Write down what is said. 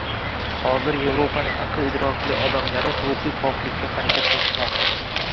Hozir Yevropaning aql-idrokli odamlari ruhiy poklikka harakat qilishmoqda.